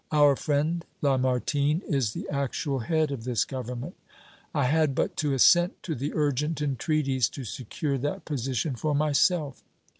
Our friend Lamartine is the actual head of this Government. I had but to assent to the urgent entreaties to secure that position for myself.